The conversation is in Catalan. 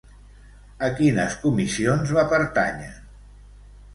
A quines comissions va pertànyer?